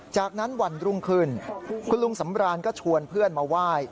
จากนั้นวันรุ่งขึ้นคุณลุงสำรานก็ชวนเพื่อนมาไหว้